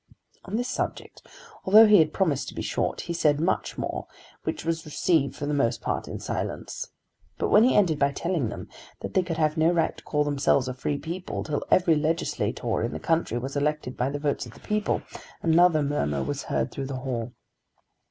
On this subject, although he had promised to be short, he said much more, which was received for the most part in silence. But when he ended by telling them that they could have no right to call themselves a free people till every legislator in the country was elected by the votes of the people, another murmur was heard through the hall.